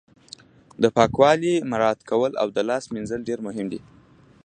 د پاکوالي مراعت کول او لاس مینځل ډیر مهم دي